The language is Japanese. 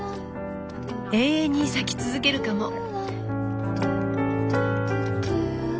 永遠に咲き続けるかも。